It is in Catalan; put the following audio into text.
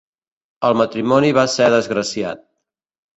El matrimoni va ser desgraciat.